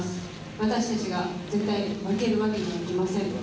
私たちが絶対、負けるわけにはいきません。